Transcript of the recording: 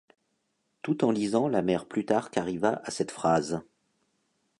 Tout en lisant la mère Plutarque arriva à cette phrase.